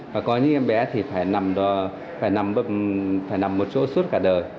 và có những em bé thì phải nằm một chỗ suốt cả đời